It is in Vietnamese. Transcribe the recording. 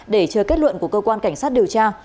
để chờ kết luận của cơ quan cảnh sát điều tra